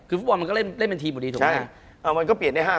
คุณผู้ชมบางท่าอาจจะไม่เข้าใจที่พิเตียร์สาร